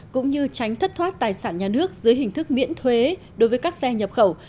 cũng như tránh thất thoát tài sản nhà nước dưới hình thức miễn thuế đối với các xe nhập khẩu